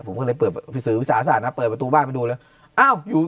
ผมก็เลยเปิดสื่อวิสาศาสตร์นะเปิดประตูบ้านไปดูเลยอ้าวอยู่